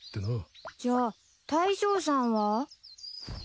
じゃあ大将さんは？